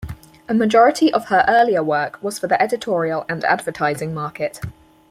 A majority of her earlier work was for the editorial and advertising market.